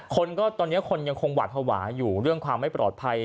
คนก็ตอนนี้คนยังคงหวาดภาวะอยู่เรื่องความไม่ปลอดภัย